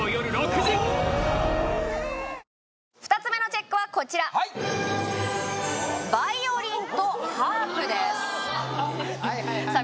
２つ目のＣＨＥＣＫはこちらはいバイオリンとハープですうわーさあ